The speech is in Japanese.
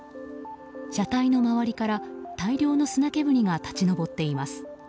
車体の周りから大量の砂煙が立ち上っています。